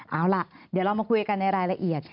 เอาล่ะเดี๋ยวเรามาคุยกันในรายละเอียด